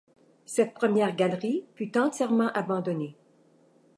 Cette première galerie fut entièrement abandonnée.